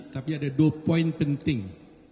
tapi ada dua poin penting